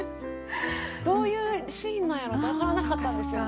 どういうシーンなんやろって分からなかったんですよ。